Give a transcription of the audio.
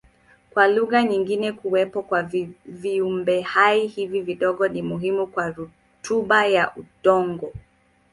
Kwa lugha nyingine kuwepo kwa viumbehai hivi vidogo ni muhimu kwa rutuba ya udongo.